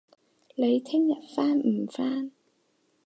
你聽日返唔返